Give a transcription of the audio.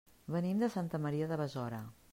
Venim de Santa Maria de Besora.